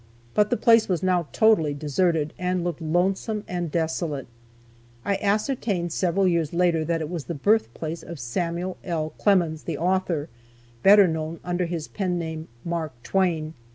But the place was now totally deserted, and looked lonesome and desolate. I ascertained several years later that it was the birthplace of Samuel L. Clemens, the author, better known under his pen name, "Mark Twain."